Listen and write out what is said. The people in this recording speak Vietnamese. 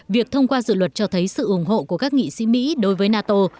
việc thông qua dự luật cho thấy sự ủng hộ của các nghị sĩ mỹ đối với nato